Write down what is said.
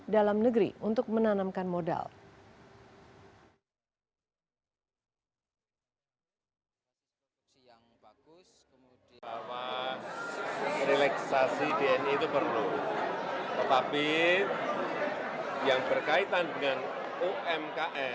dan menarik para investasi yang belum menarik